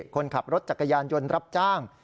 คนขับรถจักรยานยนต์รับจ้าง